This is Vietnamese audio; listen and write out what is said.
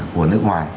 của nước ngoài